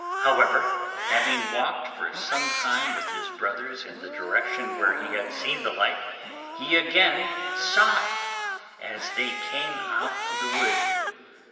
However, having walked for some time with his brothers in the direction where he had seen the light, he again saw it as they came out of the wood.